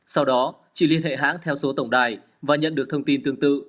sau đó chỉ liên hệ hãng theo số tổng đài và nhận được thông tin tương tự